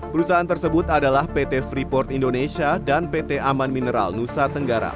perusahaan tersebut adalah pt freeport indonesia dan pt aman mineral nusa tenggara